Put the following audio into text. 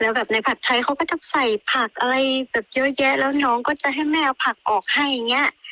แบบในผัดไทยเขาก็จะใส่ผักอะไรแบบเยอะแยะแล้วน้องก็จะให้แม่เอาผักออกให้อย่างเงี้ย